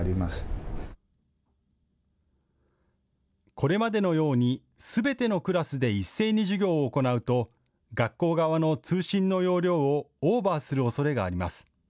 これまでのようにすべてのクラスで一斉に授業を行うと学校側の通信の容量をオーバーするおそれがあります。